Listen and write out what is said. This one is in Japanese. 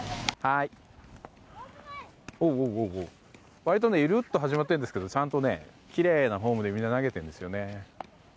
割とねゆるっと始まっているんですけどちゃんと、きれいなフォームでみんな投げているんですよね。